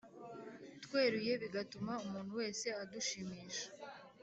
tweruye bigatuma umuntu wese adushimisha